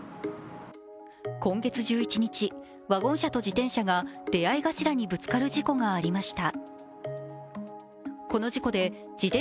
今月１１日、ワゴン車と自転車が出会い頭にぶつかる事故がありました。